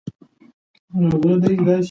ادبي غونډې د فکرونو د تبادلې ځای دی.